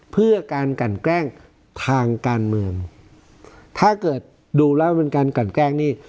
เพื่อการกันแกล้งทางการเมืองถ้าเกิดดูแล้วเป็นการกันแกล้งนี่